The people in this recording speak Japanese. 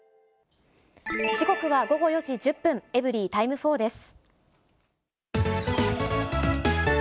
時刻は午後４時１０分、エブリィタイム４です。